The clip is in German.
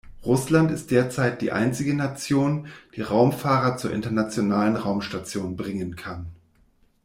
Russland ist derzeit die einzige Nation, die Raumfahrer zur Internationalen Raumstation bringen kann.